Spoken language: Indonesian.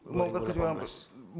membongkar kecurangan pemilu